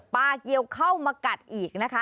ปลาเกียวเข้ามากัดอีกนะคะ